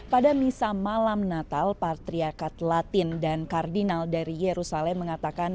pada misa malam natal patriakat latin dan kardinal dari yerusalem mengatakan